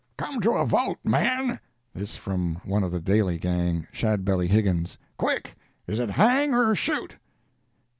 "Come to a vote, men!" This from one of the Daly gang, Shadbelly Higgins. "Quick! is it hang, or shoot?"